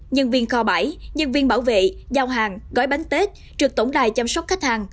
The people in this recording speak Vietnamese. nhân viên kho bãi nhân viên bảo vệ giao hàng gói bánh tết trực tổng đài chăm sóc khách hàng